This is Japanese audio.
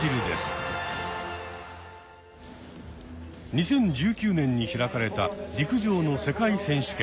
２０１９年に開かれた陸上の世界選手権。